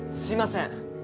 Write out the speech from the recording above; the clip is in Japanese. すいません。